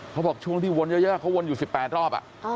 ช่วงที่วนเยอะเขาวนอยู่๑๘รอบ